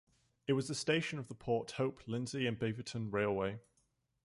It was a station of the Port Hope, Lindsay and Beaverton Railway.